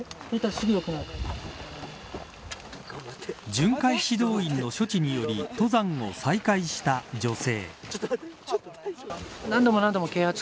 巡回指導員の処置により登山を再開した女性。